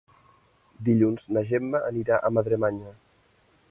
Dilluns na Gemma anirà a Madremanya.